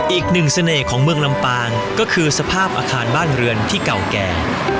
อีกหนึ่งเสน่ห์ของเมืองลำปางก็คือสภาพอาคารบ้านเรือนที่เก่าแก่